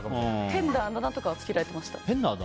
変なあだ名とかつけられてました。